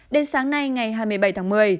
đến sáng nay ngày hai mươi bảy tháng một mươi